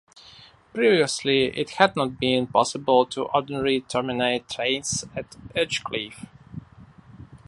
Previously it had not been possible to ordinarily terminate trains at Edgecliff.